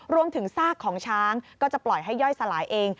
ซากของช้างก็จะปล่อยให้ย่อยสลายเอง